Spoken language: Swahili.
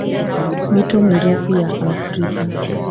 Mito mirefu ya Afrika